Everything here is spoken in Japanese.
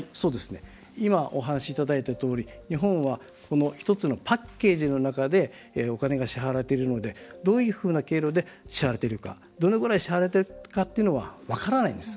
今、お話いただいたとおり日本は１つのパッケージの中でお金が支払われているのでどういうふうな経路で支払われているかどのぐらい支払われているのかっていうのが分からないんです。